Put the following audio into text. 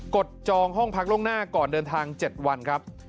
จองห้องพักล่วงหน้าก่อนเดินทาง๗วันครับ